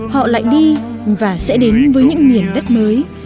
họ lại đi và sẽ đến với những miền đất mới